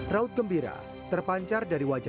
selama bulan ramadan ini